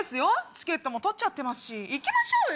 チケットも取ってますし行きましょうよ。